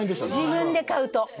自分で買うと。